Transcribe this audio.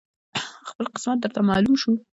خپل قسمت درته معلوم شو